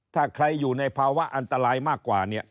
ถ้าใครอยู่ในภาวะอันตรายมากกว่าเนี่ย